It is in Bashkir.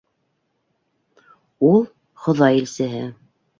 Ул - Хоҙай илсеһе.